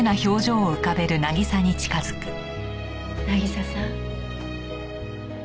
渚さん。